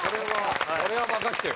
これは任せてよ。